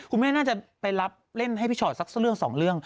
คุณแม่น่าจะไปรับเล่นให้พิชัดสัก๑๒เรื่อง